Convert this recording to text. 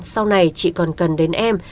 sau này chị còn cần đến em